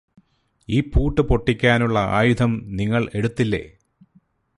ഈ പൂട്ട് പൊട്ടിക്കാനുള്ള ആയുധം നിങ്ങള് എടുത്തില്ലേ